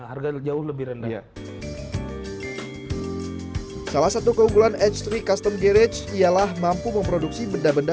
harga jauh lebih rendah salah satu keunggulan h tiga custom garage ialah mampu memproduksi benda benda